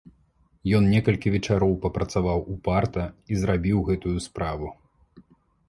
Ён некалькі вечароў папрацаваў упарта і зрабіў гэтую справу.